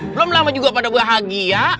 belum lama juga pada bahagia